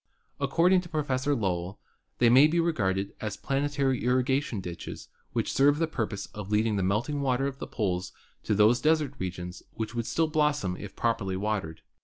According to Professor Lowell, they may be regarded as planetary irrigation ditches which serve the purpose of leading the melting water of the poles to those desert regions which would still blossom if properly watered.